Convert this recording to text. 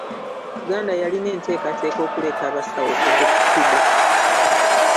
Uganda yalina enteekateeka okuleeta abasawo okuva e Cuba.